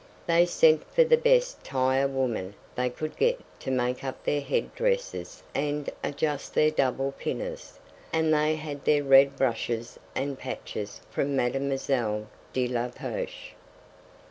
They sent for the best tire woman they could get to make up their head dresses and adjust their double pinners, and they had their red brushes and patches from Mademoiselle de la Poche.